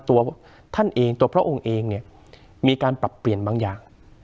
ตัวท่านเองตัวพระองค์เองเนี่ยมีการปรับเปลี่ยนบางอย่าง